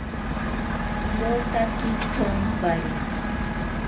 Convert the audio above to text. Irotaki thonpari